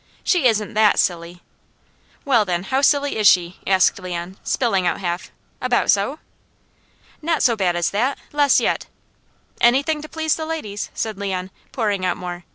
"She isn't that silly." "Well then, how silly is she?" asked Leon, spilling out half. "About so?" "Not so bad as that. Less yet!" "Anything to please the ladies," said Leon, pouring out more.